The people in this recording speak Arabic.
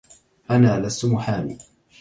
انا لست محامي